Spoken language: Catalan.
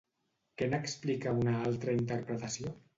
Què n'explica una altra interpretació?